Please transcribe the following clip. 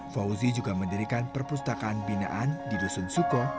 fauzi juga mendirikan perpustakaan binaan di dusun suko